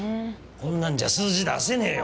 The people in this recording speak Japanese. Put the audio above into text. こんなんじゃ数字出せねえよ